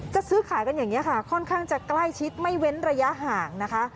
ซื้อขายกันอย่างนี้ค่ะค่อนข้างจะใกล้ชิดไม่เว้นระยะห่างนะคะ